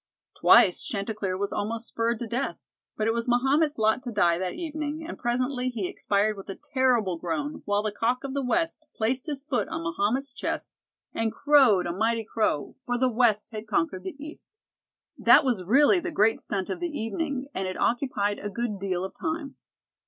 Twice Chantecler was almost spurred to death, but it was Mahomet's lot to die that evening, and presently he expired with a terrible groan, while the Cock of the West placed his foot on Mahomet's chest and crowed a mighty crow, for the West had conquered the East. That was really the great stunt of the evening, and it occupied a good deal of time.